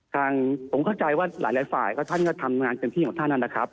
ผมเข้าใจว่าหลายฝ่ายก็ท่านก็ทำงานเต็มที่ของท่านนะครับ